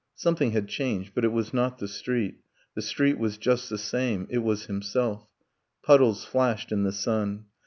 Something had changed but it was not the street The street was just the same it was himself. Puddles flashed in the sun.